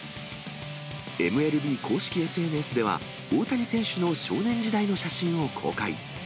ＭＬＢ公式ＳＮＳでは大谷選手の少年時代の写真を公開。